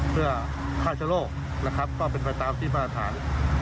เพื่อทางเช่าโรคนะครับก็เป็นไปตามที่พรภาคภาค